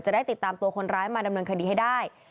ได้ติดตามตัวคนร้ายมาดำเนินคดีให้ได้